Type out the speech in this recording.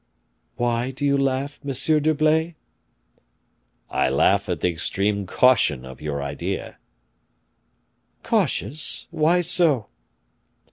"Why do you laugh, Monsieur d'Herblay?" "I laugh at the extreme caution of your idea." "Cautious, why so?"